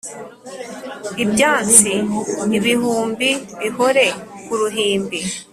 Ibyansi ibihumbi bihore ku ruhimbi